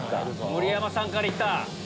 盛山さんから行った。